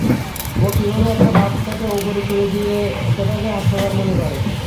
ও কীভাবে একটা বাচ্চাকে উপরে ছুঁড়ে দিয়ে সেটাকে হাস্যকর মনে করে?